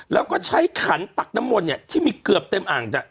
แล้วก็ใช้ขันตักน้ำมนต์เนี่ยที่มีเกือบเต็มอ่าง